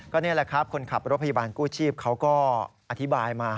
นี่แหละครับคนขับรถพยาบาลกู้ชีพเขาก็อธิบายมา